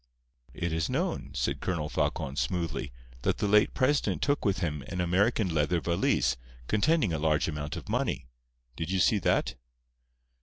"It is known," said Colonel Falcon, smoothly, "that the late President took with him an American leather valise, containing a large amount of money. Did you see that?"